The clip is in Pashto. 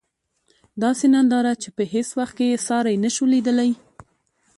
داسې ننداره چې په هیڅ وخت کې یې ساری نشو لېدلی.